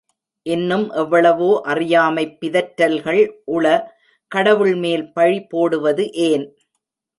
இன்னும் எவ்வளவோ அறியாமைப் பிதற்றல்கள் உள கடவுள் மேல் பழி போடுவது ஏன்?